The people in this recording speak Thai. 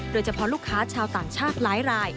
โดยเฉพาะลูกค้าชาวต่างชาติหลายราย